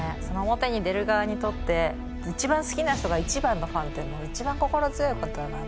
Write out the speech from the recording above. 表に出る側にとって一番好きな人が一番のファンっていうの一番心強いことだな。